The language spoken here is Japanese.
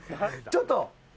ちょっと。